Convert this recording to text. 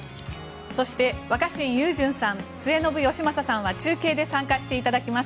そして、若新雄純さん末延吉正さんは中継で参加していただきます。